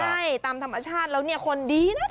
ใช่ตามธรรมชาติแล้วเนี่ยคนดีนะ